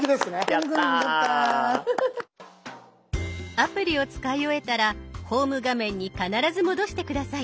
アプリを使い終えたらホーム画面に必ず戻して下さい。